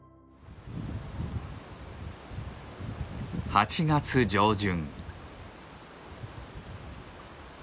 ８月上旬。